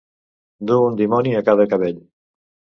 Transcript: Dur un dimoni a cada cabell.